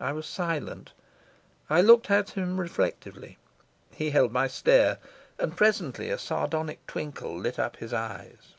I was silent. I looked at him reflectively. He held my stare, and presently a sardonic twinkle lit up his eyes.